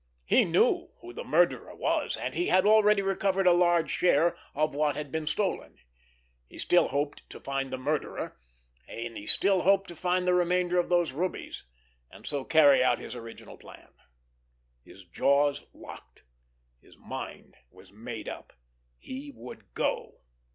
He knew who the murderer was, and he had already recovered a large share of what had been stolen. He still hoped to find the murderer, and he still hoped to find the remainder of those rubies, and so carry out his original plan. His jaws locked. His mind was made up. He would go!